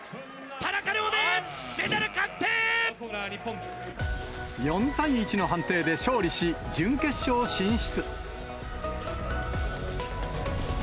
田中亮明、４対１の判定で勝利し、準決勝進出。